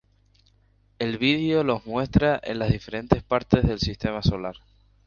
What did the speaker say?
El vídeo los muestra en las diferentes partes del Sistema Solar.